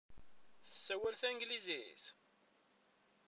Tessawal tanglizit?